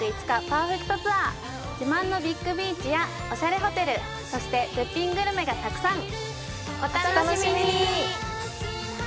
パーフェクトツアー自慢のビッグビーチやオシャレホテルそして絶品グルメがたくさんお楽しみに！